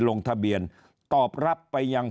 ลงทะเบียนตอบรับไปยัง